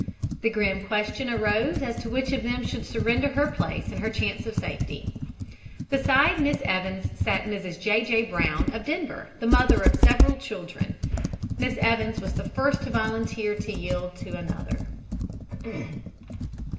The grim question arose as to which of them should surrender her place and her chance of safety. Beside Miss Evans sat Mrs. J. J. Brown, of Denver, the mother of several children. Miss Evans was the first to volunteer to yield to another.